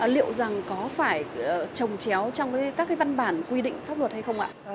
liệu rằng có phải trồng chéo trong các văn bản quy định pháp luật hay không ạ